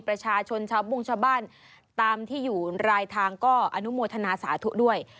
ประชาชนชาวบุ้งชาวบ้านตามที่อยู่รายทางก็อนุโมทนาสาธุด้วย